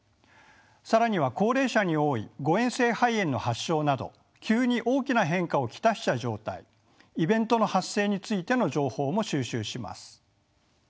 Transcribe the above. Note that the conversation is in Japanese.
更には高齢者に多い誤えん性肺炎の発症など急に大きな変化を来した状態イベントの発生についての情報も収集します。